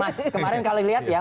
mas kemarin kalau lihat ya